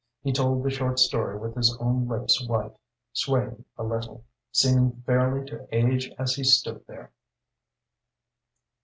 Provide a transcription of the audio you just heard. He told the short story with his own lips white, swaying a little, seeming fairly to age as he stood there.